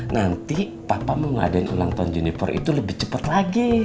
nanti papa mengadain ulang tahun juniper itu lebih cepat lagi